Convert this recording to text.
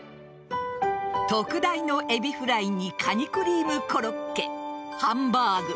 特大のエビフライにカニクリームコロッケハンバーグ